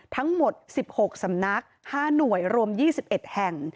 ทั้งหมด๑๖สำนัก๕หน่วยรวม๒๑แห่ง